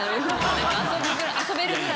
遊べるぐらい。